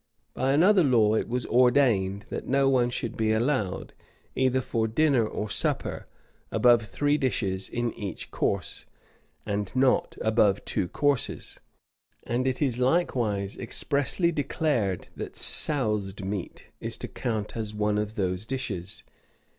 [] By another law it was ordained, that no one should be allowed, either for dinner or supper, above three dishes in each course, and not above two courses; and it is likewise expressly declared that "soused" meat is to count as one of these dishes.